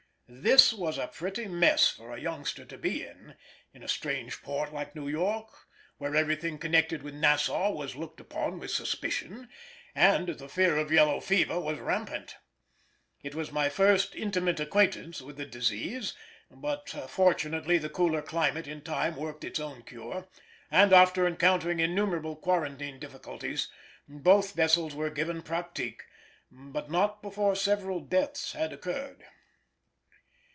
This was a pretty mess for a youngster to be in, in a strange port like New York, where everything connected with Nassau was looked upon with suspicion, and the fear of yellow fever was rampant. It was my first intimate acquaintance with the disease, but, fortunately, the cooler climate in time worked its own cure, and, after encountering innumerable quarantine difficulties, both vessels were given pratique, but not before several deaths had occurred.